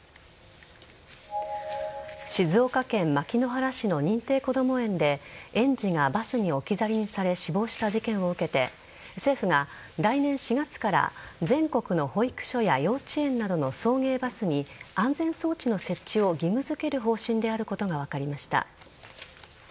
静岡県牧之原市の認定こども園で園児がバスに置き去りにされ死亡した事件を受けて政府が来年４月から全国の保育所や幼稚園などの送迎バスに安全装置の設置を義務付ける方針であることが分かりました。